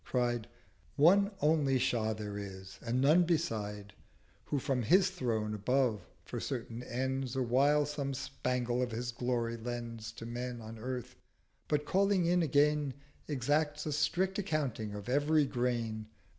cried— 'One only Shah there is, and none beside, Who from his Throne above for certain Ends Awhile some Spangle of his Glory lends To Men on Earth; but calling in again 450 Exacts a strict account of every Grain.